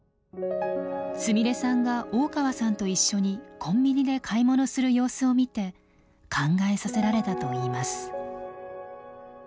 すみれさんが大川さんと一緒にコンビニで買い物する様子を見て考えさせられたといいます。